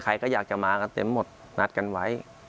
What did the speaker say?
ใครก็อยากจะมากันเต็มหมดนัดกันไว้